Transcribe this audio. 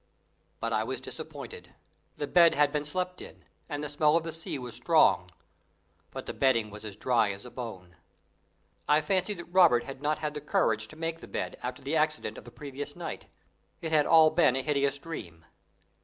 But I was disappointed. The bed had been slept in, and the smell of the sea was strong; but the bedding was as dry as a bone. I fancied that Robert had not had the courage to make the bed after the accident of the previous night it had all been a hideous dream.